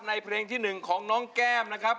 ในเพลงที่หนึ่งของน้องแก้มนะครับ